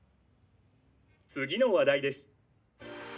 次の話題です。